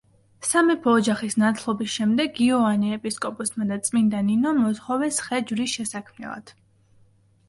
სამეფო ოჯახის ნათლობის შემდეგ, იოანე ეპისკოპოსმა და წმინდა ნინომ მოთხოვეს ხე ჯვრის შესაქმნელად.